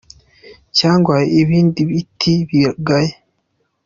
Cyangwa ibindi biti bigaye.